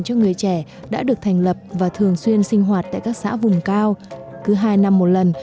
cho người trẻ đã được thành lập và thường xuyên sinh hoạt tại các xã vùng cao cứ hai năm một lần